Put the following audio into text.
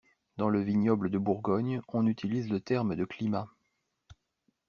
Dans le vignoble de Bourgogne, on utilise le terme de climat.